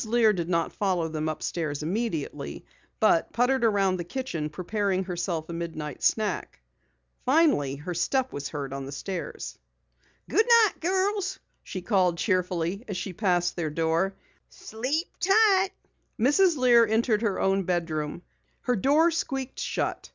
Lear did not follow them upstairs immediately, but puttered about the kitchen preparing herself a midnight snack. Finally her step was heard on the stairs. "Good night, girls," she called cheerfully as she passed their door. "Sleep tight." Mrs. Lear entered her own bedroom. Her door squeaked shut.